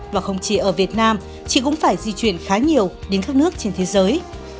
và không chỉ ở việt nam chị cũng phải di chuyển khá nhiều đến các nước trên thế giới